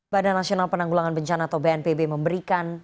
badan nasional penanggulangan bencana atau bnpb memberikan